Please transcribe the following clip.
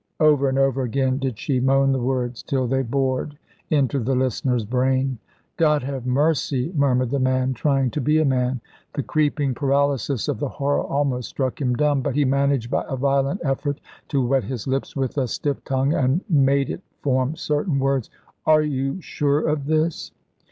Over and over again did she moan the words, till they bored into the listener's brain. "God have mercy!" murmured the man, trying to be a man. The creeping paralysis of the horror almost struck him dumb. But he managed by a violent effort to wet his lips with a stiff tongue, and made it form certain words: "Are you sure of this?"